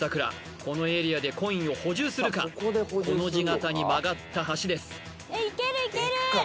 このエリアでコインを補充するかコの字形に曲がった橋です